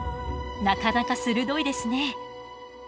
なかなか鋭いですね。